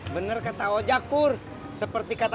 bener kata ojak pur seperti kata